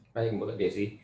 baik mbak desi